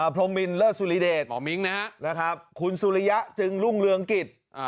พรมมิลเลอสุริเดชหมอมิ้งนะครับนะครับคุณสุริยะจึงรุ่งเรืองกฤษอ่า